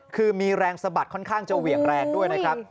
คือมีแรงสะบัดค่อนข้างจะเหวี่ยงแรงด้วยนะครับ